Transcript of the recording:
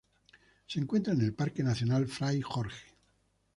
Se encuentra en el Parque Nacional Fray Jorge.